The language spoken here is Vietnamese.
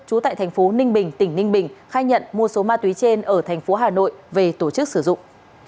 trú tại thành phố ninh bình tỉnh ninh bình khai nhận mua số ma túy trên ở thành phố hà nội về tổ chức sử dụng